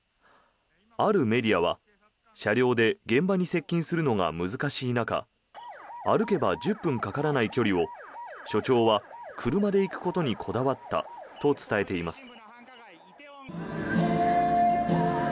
あるメディアは、車両で現場に接近するのが難しい中歩けば１０分かからない距離を署長は車で行くことにこだわったと伝えています。